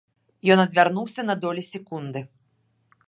Ён адвярнуўся на долі секунды.